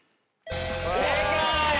正解！